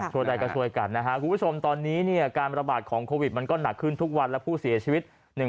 ช่วยได้ก็ช่วยกันนะครับคุณผู้ชมตอนนี้เนี่ยการระบาดของโควิดมันก็หนักขึ้นทุกวันและผู้เสียชีวิต